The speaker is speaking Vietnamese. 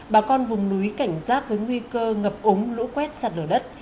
bà con vùng núi cảnh giác với nguy cơ ngập ống lũ quét sạt lở đất